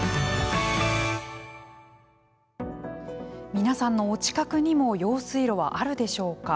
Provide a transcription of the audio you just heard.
皆さんのお近くにも用水路はあるでしょうか。